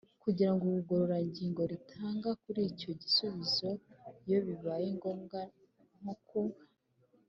kugira ubugororangingo ritanga kuri icyo gisubizo iyo bibaye ngombwa. Nko ku